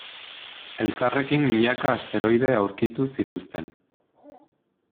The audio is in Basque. Elkarrekin milaka asteroide aurkitu zituzten.